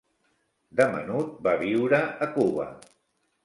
De menut va viure a Cuba.